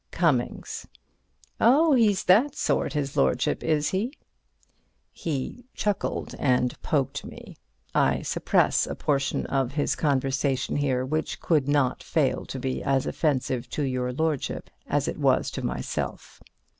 ) Cummings: Oh, he's that sort, his lordship, is he? (He chuckled and poked me. I suppress a portion of his conversation here, which could not fail to be as offensive to your lordship as it was to myself.